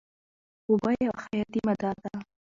اوبه یوه حیاتي ماده ده.